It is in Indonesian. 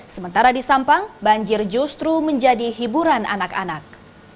sementara di sampang banjir justru menjadi hiburan anak anak